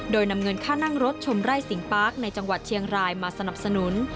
โดยนำเงินค่านั่งรถชมไร่สิงปาร์คในจังหวัดเชียงรายมาสนับสนุน